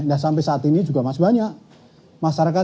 nah sampai saat ini juga masih banyak masyarakat